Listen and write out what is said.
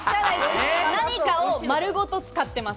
何かを丸ごと使ってます。